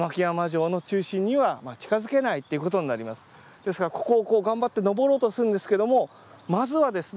ですからここをこう頑張って登ろうとするんですけどもまずはですね